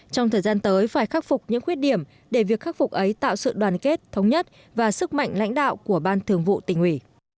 trong thời gian tới phải khắc phục những khuyết điểm để việc khắc phục ấy tạo sự đoàn kết thống nhất và sức mạnh lãnh đạo của ban thường vụ tỉnh ủy